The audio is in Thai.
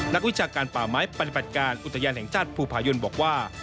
นักวิชาการป่าไม้ปฏิบัติการอุทยานแห่งชาติภูผายนบอกว่า